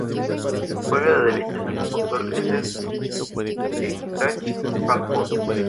Juega de defensa y su equipo actual es el Eintracht Frankfurt.